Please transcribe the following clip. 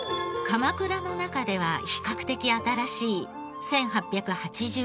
鎌倉の中では比較的新しい１８８７年に創建。